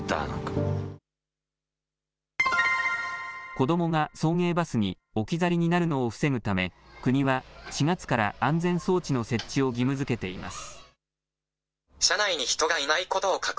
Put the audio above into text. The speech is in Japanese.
子どもが送迎バスに置き去りになるのを防ぐため国は４月から安全装置の設置を義務づけています。